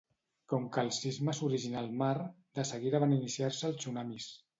Com que el sisme s'originà al mar, de seguida van iniciar-se els tsunamis.